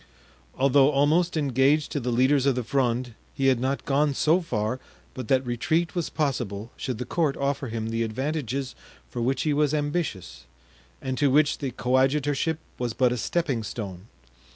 Although almost engaged to the leaders of the Fronde he had not gone so far but that retreat was possible should the court offer him the advantages for which he was ambitious and to which the coadjutorship was but a stepping stone.